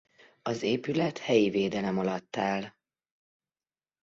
Az épület helyi védelem alatt áll.